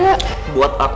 mereka berdua tuh beda